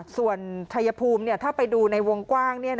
ส่วนชัยภูมิถ้าไปดูในวงกว้าง